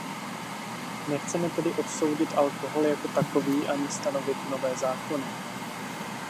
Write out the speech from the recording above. Nechceme tedy odsoudit alkohol jako takový, ani stanovit nové zákony.